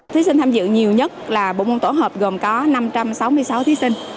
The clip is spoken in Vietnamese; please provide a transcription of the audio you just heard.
thí sinh tham dự nhiều nhất là bộ môn tổ hợp gồm có năm trăm sáu mươi sáu thí sinh